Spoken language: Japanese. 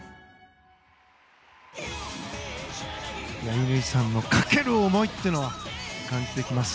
乾さんのかける思いというのが感じてきます。